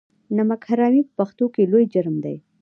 نمک حرامي په پښتنو کې لوی جرم دی.